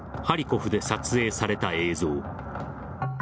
ハリコフで撮影された映像。